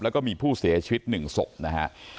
แล้วก็มีผู้เสียชีวิต๑ศพนะฮะ